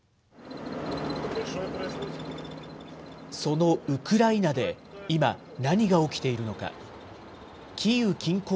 そのウクライナで、今、何が起きているのか。